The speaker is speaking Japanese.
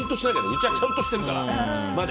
うちはちゃんとしてるからね。